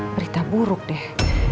berita buruk deh